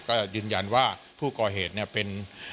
ก็ยืนยันว่าผู้ก่อเหตุเนี่ยเป็น